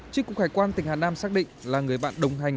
tri cục hải quan tỉnh hà nam xác định là người bạn đồng hành